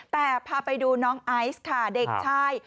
แต่พาไปดูน้องไอซ์ค่ะเด็กชาย